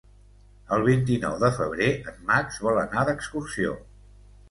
El vint-i-nou de febrer en Max vol anar d'excursió.